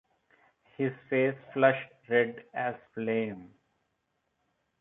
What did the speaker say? His face flushed red as flame.